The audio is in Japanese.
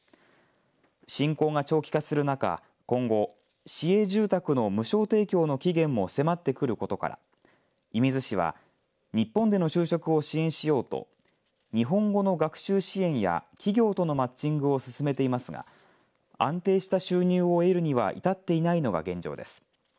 侵攻が長期化する中今後、市営住宅の無償提供の期限も迫ってくることから射水市は日本での就職を支援しようと日本語の学習支援や企業とのマッチングを進めていますが安定した収入を得るには至っていないのが現状です。